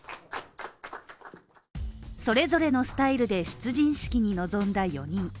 それぞれのスタイルで出陣式に臨んだ４人。